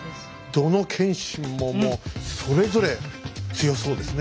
どの謙信ももうそれぞれ強そうですね。